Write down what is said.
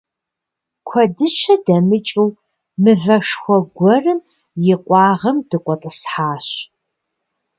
Куэдыщэ дымыкӀуу мывэшхуэ гуэрым и къуагъым дыкъуэтӀысхьащ.